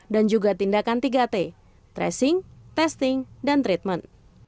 dan juga tindakan tiga t tracing testing dan treatment